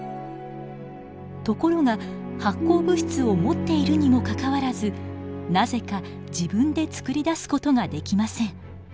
ところが発光物質を持っているにもかかわらずなぜか自分でつくり出す事ができません。